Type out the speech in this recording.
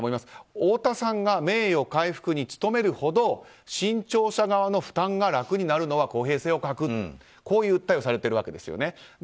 太田さんが名誉回復に努めるほど新潮社側の負担が楽になるのは公平性を欠くという訴えをされているわけですね。